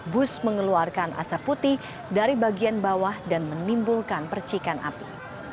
bus mengeluarkan asap putih dari bagian bawah dan menimbulkan percikan api